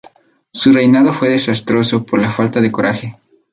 Su reinado fue desastroso por su falta de coraje.